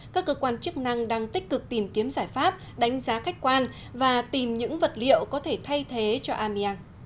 các cơ quan chức năng đang tích cực tìm kiếm giải pháp đánh giá khách quan và tìm những vật liệu có thể thay thế cho amiang